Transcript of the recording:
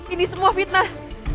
ini semua fitnah